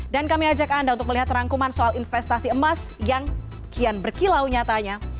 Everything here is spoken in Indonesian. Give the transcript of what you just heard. dan kami ajak anda untuk melihat rangkuman soal investasi emas yang kian berkilau nyatanya